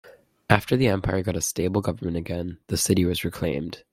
After the empire got a stable government again, the city was reclaimed.